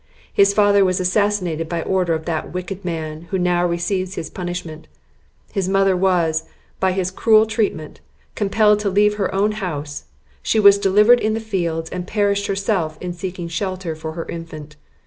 His father was assassinated by order of that wicked man, who now receives his punishment; his mother was, by his cruel treatment, compelled to leave her own house; she was delivered in the fields, and perished herself in seeking a shelter for her infant.